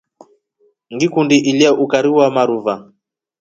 Ngikundi ilya ukari wa maruva.